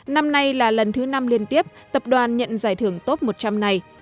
năm nay là lần thứ năm liên tiếp tập đoàn nhận giải thưởng top một trăm linh này